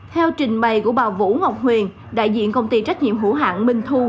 theo trình bày của bà vũ ngọc huyền đại diện công ty trách nhiệm hữu hạng minh thu